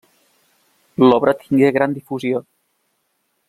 L'obra tingué gran difusió.